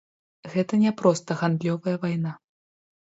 Гэта не проста гандлёвая вайна.